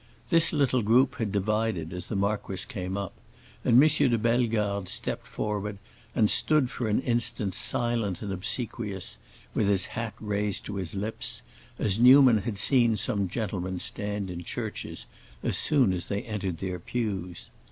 This little group had divided as the marquis came up, and M. de Bellegarde stepped forward and stood for an instant silent and obsequious, with his hat raised to his lips, as Newman had seen some gentlemen stand in churches as soon as they entered their pews.